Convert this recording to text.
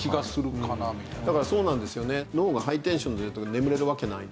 だからそうなんですよね。